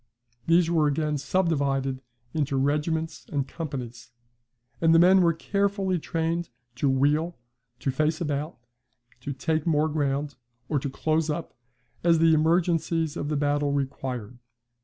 These were again subdivided into regiments and companies; and the men were carefully trained to wheel, to face about, to take more ground, or to close up, as the emergencies of the battle required.